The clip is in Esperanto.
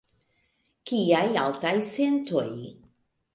Kiaj altaj sentoj!